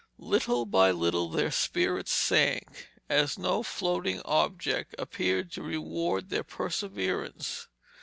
Little by little their spirits sank, as no floating object appeared to reward their perseverance.